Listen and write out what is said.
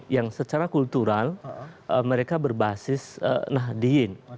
yang secara kultural mereka berbasis nahdiyin